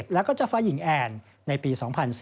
แล้วก็เจ้าฟ้าหญิงแอนในปี๒๔